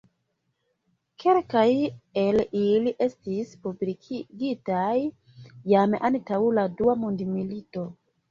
Kelkaj el ili estis publikigitaj jam antaŭ la dua mondmilito.